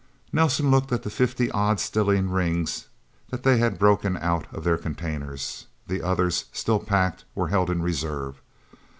Nelsen looked at the fifty odd stellene rings that they had broken out of their containers the others, still packed, were held in reserve.